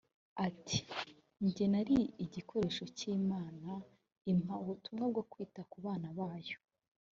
ati njye nari igikoresho cy’imana impa ubutumwa bwo kwita ku bana bayo